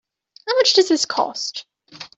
How much does this cost?